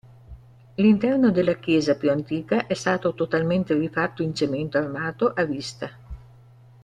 L'interno della chiesa più antica è stato totalmente rifatto in cemento armato a vista.